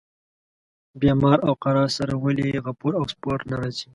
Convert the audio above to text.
بیمار او قرار سره ولي غفور او سپور نه راځي.